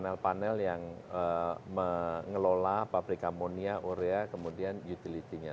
ini adalah panel yang mengelola pabrik ammonia urea kemudian utility nya